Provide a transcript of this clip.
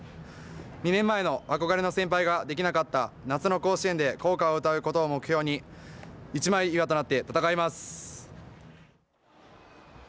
２年前の憧れの先輩ができなかった夏の甲子園で校歌を歌うことを目標に一枚岩となって戦います。